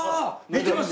見てます。